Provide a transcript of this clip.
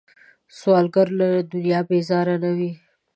سوالګر له دنیا بیزاره نه وي